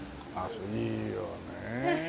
いいよね。